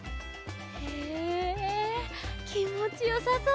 へえきもちよさそう。